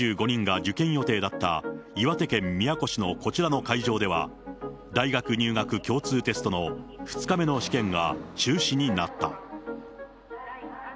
１９５人が受験予定だった岩手県宮古市のこちらの会場では、大学入学共通テストの２日目の試験が中止になった。